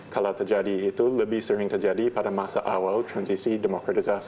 kalau terjadi itu lebih sering terjadi pada masa awal transisi demokratisasi